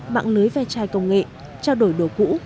mạng lưới ve chai công nghệ trao đổi đồ cũ